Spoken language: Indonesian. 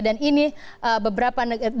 dan ini beberapa negara